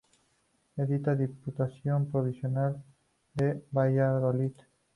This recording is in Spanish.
Edita Diputación Provincial de Valladolid.